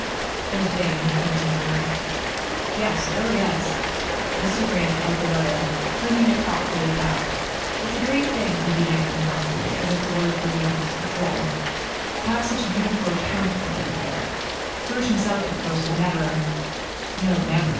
"Poor thing!" Camp ton murmured. "Yes—oh, yes!" Mr. Brant held the letter, turning it thoughtfully about. "It's a great thing," he began abruptly, as if the words were beyond his control, "to have such a beautiful account of the affair. George himself, of course, would never " "No, never."